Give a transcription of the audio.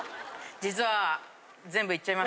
実は。